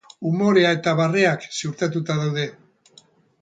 Umorea eta barreak ziurtatuta daude.